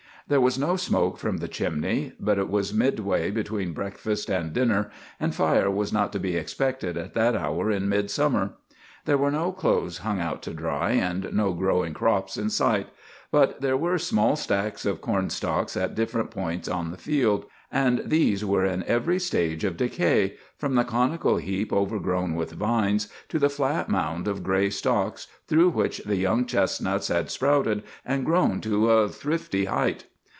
There was no smoke from the chimney; but it was mid way between breakfast and dinner, and fire was not to be expected at that hour in midsummer. There were no clothes hung out to dry, and no growing crops in sight; but there were small stacks of corn stalks at different points on the field, and these were in every stage of decay, from the conical heap overgrown with vines to the flat mound of gray stalks through which the young chestnuts had sprouted and grown to a thrifty height.